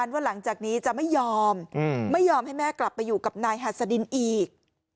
ไม่ยอมไม่ยอมให้แม่กลับไปอยู่กับนายหัสดินอีก